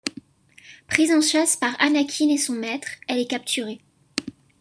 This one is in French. Prise en chasse par Anakin et son maître, elle est capturée.